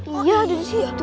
iya ada di situ